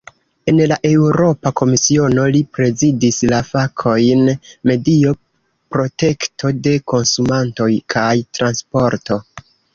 En la Eŭropa Komisiono, li prezidis la fakojn "medio, protekto de konsumantoj kaj transporto".